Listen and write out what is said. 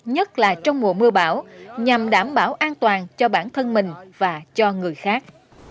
nhất là trong mùa mưa bão nhằm đảm bảo an toàn cho bản thân mình và cho người khác